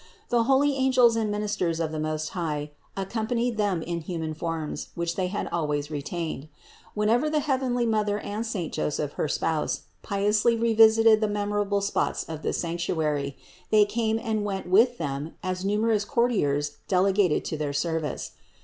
The holy angels and ministers of the Most High accompanied them in human forms, which they had always retained. When ever the heavenly Mother and saint Joseph her spouse piously revisited the memorable spots of this sanctuary, they came and went with them as numerous courtiers delegated to their service.